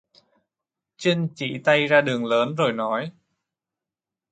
Trinh chỉ tay ra đường lớn rồi nói